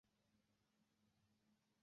藏历木兔年生于四川理塘的达仓家。